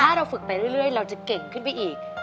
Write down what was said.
ถ้าเราฝึกไปเรื่อยเราจะเก่งขึ้นไปอีก